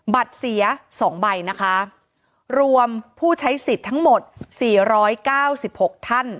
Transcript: บัตรเสีย๒ใบนะคะรวมผู้ใช้สิทธิ์ทั้งหมด๔๙๖ท่าน